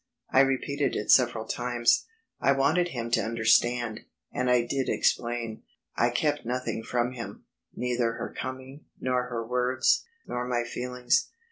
I repeated it several times. I wanted him to understand, and I did explain. I kept nothing from him; neither her coming, nor her words, nor my feelings.